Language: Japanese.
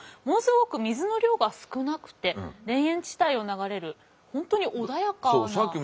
ものすごく水の量が少なくて田園地帯を流れる本当に穏やかな。